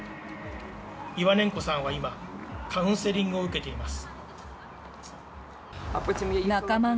イワネンコさんは今、カウンセリングを受けています。